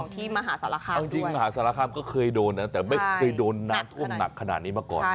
ที่มหาสารคามด้วยจริงมหาสารคามก็เคยโดนแต่ไม่เคยโดนนักขนาดนี้มาก่อน